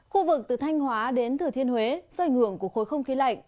khu vực từ thanh hóa đến thừa thiên huế do ảnh hưởng của khối không khí lạnh